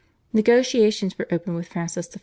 Negotiations were opened with Francis I.